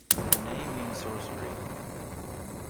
The name means sorcery.